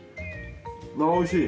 あおいしい！